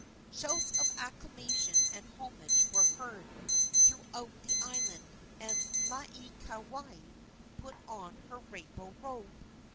Shouts of acclamation and homage were heard throughout the island, and Laieikawai put on her rainbow robe.